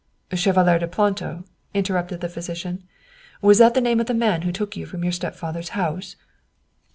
"Chevalier de Planto?" interrupted the physician. 108 Wilhelm Hauff " Was that the name of the man who took you from your stepfather's house?"